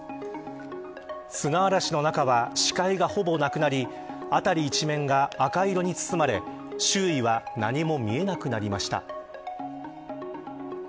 砂嵐の中は視界がほぼなくなり辺り一面が赤色に包まれ周囲は何も見えなくなりました。